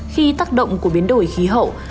khi tác động của biến đổi khí hậu